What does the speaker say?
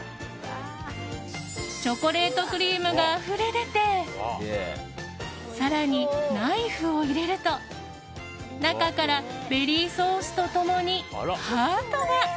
チョコレートクリームがあふれ出て更にナイフを入れると中からベリーソースと共にハートが。